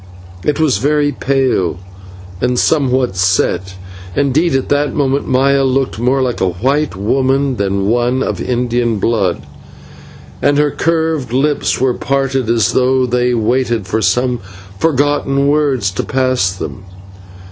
It was very pale and somewhat set; indeed at that moment Maya looked more like a white woman than one of Indian blood, and her curved lips were parted as though they waited for some forgotten words to pass them.